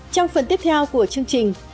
trong phần tiếp theo của chương trình